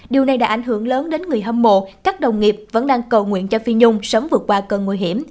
điều này đã ảnh hưởng lớn đến người hâm mộ các đồng nghiệp vẫn đang cầu nguyện cho phi nhung sớm vượt qua cơn nguy hiểm